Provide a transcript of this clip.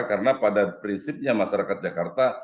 karena pada prinsipnya masyarakat jakarta